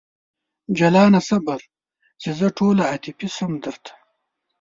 جلانه صبر! چې زه ټوله عاطفي شم درته